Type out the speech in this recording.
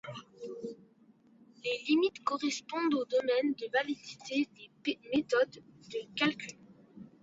Les limites correspondent aux domaines de validité des méthodes de calcul.